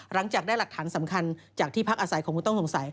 หลังจากได้หลักฐานสำคัญจากที่พักอาศัยของผู้ต้องสงสัย